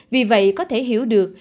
vì vậy có thể hiểu được